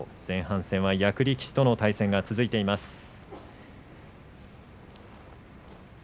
前半、役力士との対戦が続いています。